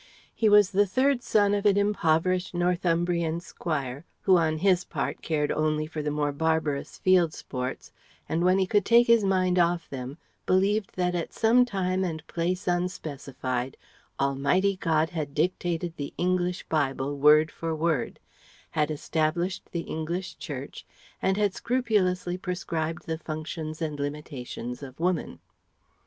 He was the third son of an impoverished Northumbrian squire who on his part cared only for the more barbarous field sports, and when he could take his mind off them believed that at some time and place unspecified Almighty God had dictated the English bible word for word, had established the English Church and had scrupulously prescribed the functions and limitations of woman.